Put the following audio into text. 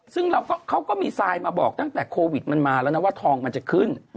ซึ่งเขาก็มีทรายมาบอกตั้งแต่โควิดมันมาแล้วนะว่าทองมันจะขึ้น